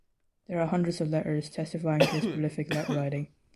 There are hundreds of letters testifying to his prolific letter writing.